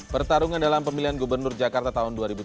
pertarungan dalam pemilihan gubernur jakarta tahun dua ribu tujuh belas